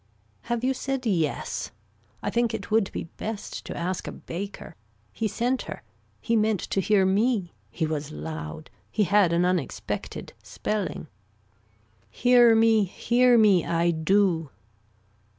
Have you said yes. I think it would be best to ask a baker. He sent her. He meant to hear me. He was loud. He had an unexpected spelling. Hear me hear me I do.